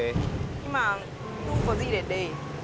nhưng mà không có gì để để